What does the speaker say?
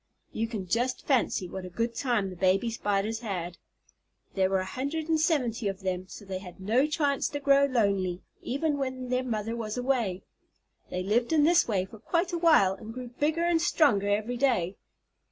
You can just fancy what a good time the baby Spiders had. There were a hundred and seventy of them, so they had no chance to grow lonely, even when their mother was away. They lived in this way for quite a while, and grew bigger and stronger every day.